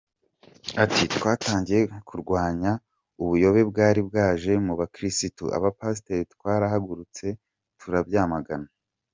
Ati “Twatangiye kurwanya ubuyobe bwari bwaje mu bakirisitu, abapasiteri twarahagurutse turabyamagana.